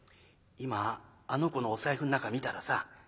「今あの子のお財布の中見たらさ」。